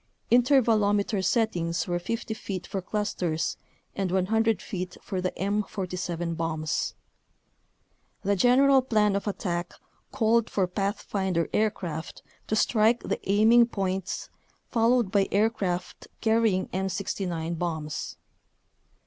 Intervalometer settings were 50 feet for clusters and 100 feet for the M47 bombs. The general plan of attack called for pathfinder aircraft to strike the aiming points, followed by aircraft carrying M69 bombs.